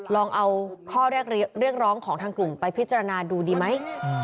ลองเอาข้อเรียกร้องของทางกลุ่มไปพิจารณาดูดีไหม